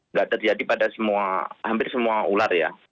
tidak terjadi pada hampir semua ular ya